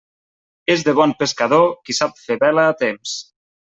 És de bon pescador qui sap fer vela a temps.